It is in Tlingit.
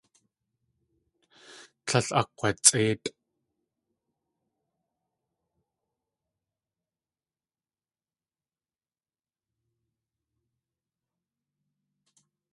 Tlél akg̲watsʼéitʼ.